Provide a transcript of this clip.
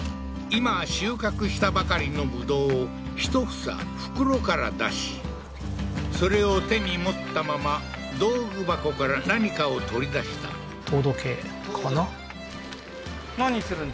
今収穫したばかりの葡萄を１房袋から出しそれを手に持ったまま道具箱から何かを取り出した糖度計かな？